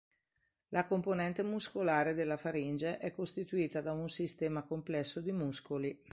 La componente muscolare della faringe è costituita da un sistema complesso di muscoli.